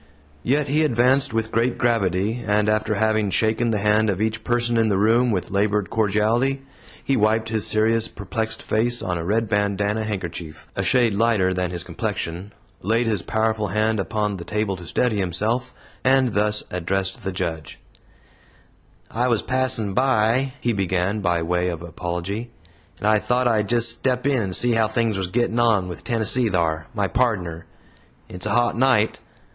Yet he advanced with great gravity, and after having shaken the hand of each person in the room with labored cordiality, he wiped his serious, perplexed face on a red bandanna handkerchief, a shade lighter than his complexion, laid his powerful hand upon the table to steady himself, and thus addressed the Judge: "I was passin' by," he began, by way of apology, "and I thought I'd just step in and see how things was gittin' on with Tennessee thar my pardner. It's a hot night.